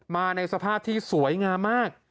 ในสภาพที่สวยงามมาก